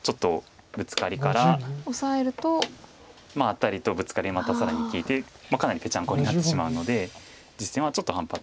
アタリとブツカリまた更に利いてかなりぺちゃんこになってしまうので実戦はちょっと反発。